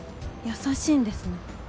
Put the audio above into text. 優しいんですね。